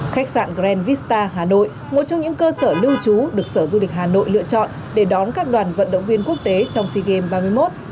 khách sạn grand vista hà nội một trong những cơ sở lưu trú được sở du lịch hà nội lựa chọn để đón các đoàn vận động viên quốc tế trong sea games ba mươi một